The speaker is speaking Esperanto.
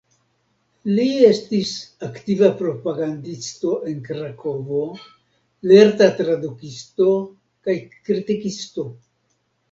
Li estis aktiva propagandisto en Krakovo, lerta tradukisto kaj kritikisto.